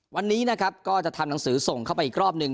วันนี้นะครับก็จะทำหนังสือส่งเข้าไปอีกรอบหนึ่ง